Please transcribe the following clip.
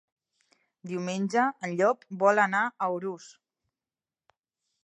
Diumenge en Llop vol anar a Urús.